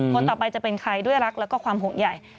คนต่อไปจะเป็นใครด้วยรักแล้วก็ความห่วงใหญ่